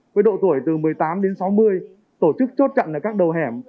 với độ tuổi từ một mươi tám đến sáu mươi tổ chức chốt chặn ở các đầu hẻm